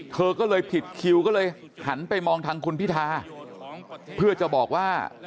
เธอก็เลยผิดคิวก็เลยหันไปมองทางคุณพิธาเพื่อจะบอกว่า